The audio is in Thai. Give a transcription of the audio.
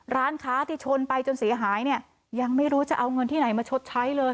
ร้านค้าที่ชนไปจนเสียหายเนี่ยยังไม่รู้จะเอาเงินที่ไหนมาชดใช้เลย